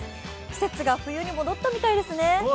季節が冬に戻ったみたいですね。